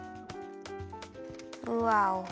うわお。